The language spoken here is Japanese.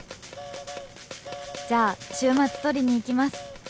「じゃあ週末取りに行きます！」